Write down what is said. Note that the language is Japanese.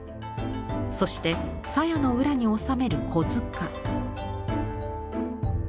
そしてさやの裏に収める「小柄」。